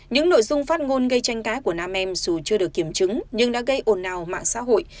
những nội dung phát ngôn gây tranh cãi của nam em dù chưa được kiểm chứng nhưng đã gây ồn ào mạng xã hội